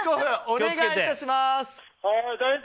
お願い致します。